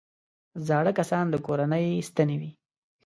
زاړه کسان د کورنۍ ستنې وي